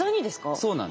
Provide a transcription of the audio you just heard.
そうなんです。